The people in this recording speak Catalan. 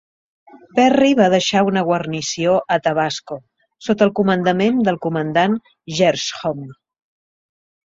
Perry va deixar una guarnició a Tabasco, sota el comandament del comandant Gershom J.